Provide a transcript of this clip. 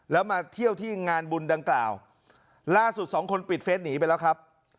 แล้วมาเที่ยวที่งานบุญดังกล่าวล่าสุดสองคนปิดเฟสหนีไปแล้วครับ